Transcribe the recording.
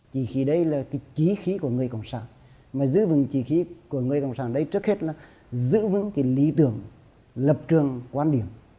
chỉ khi đây là cái trí khí của người cộng sản mà giữ vững trí khí của người cộng sản đây trước hết là giữ vững cái lý tưởng lập trường quan điểm